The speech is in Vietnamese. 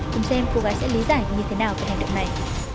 cùng xem cô gái sẽ lý giải như thế nào về hành động này